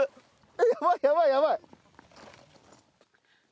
えっやばいやばいやばい。